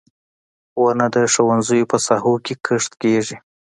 • ونه د ښوونځیو په ساحو کې کښت کیږي.